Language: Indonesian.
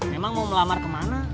memang mau melamar kemana